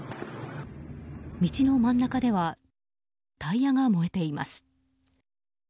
道の真ん中ではタイヤが燃えています。